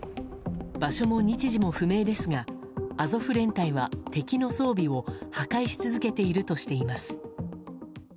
場所も日時も不明ですがアゾフ連隊は敵の装備を破壊し続けているとしています。